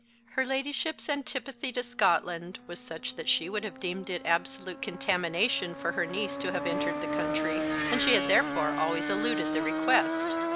Her ladyship's antipathy to Scotland was such that she would have deemed it absolute contamination for her niece to have entered the country; and she had therefore always eluded the request.